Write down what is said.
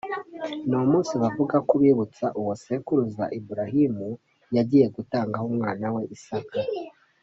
ni umunsi bavuga ko ubibutsa uwo sekuruza Ibrahim yagiye gutangaho umwana we Isaka